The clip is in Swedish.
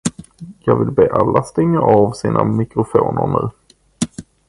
Jag vill be alla att stänga av sina mikrofoner nu.